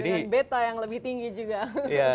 dengan beta yang lebih tinggi juga